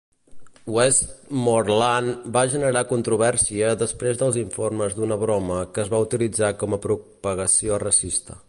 Westmoreland va generar controvèrsia després dels informes d'una broma que es va utilitzar com a propagació racista.